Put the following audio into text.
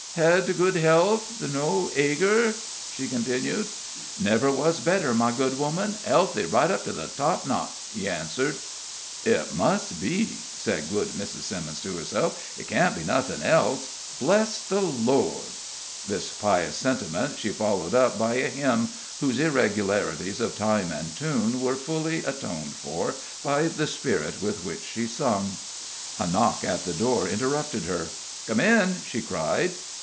"Hed good health no ager?" she continued. "Never was better, my dear woman healthy right to the top notch," he answered. "It must be," said good Mrs. Simmons, to herself "it can't be nothin' else. Bless the Lord!" This pious sentiment she followed up by a hymn, whose irregularities of time and tune were fully atoned for by the spirit with which she sung. A knock at the door interrupted her. "Come in!" she cried.